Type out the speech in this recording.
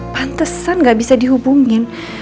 pantesan gak bisa dihubungin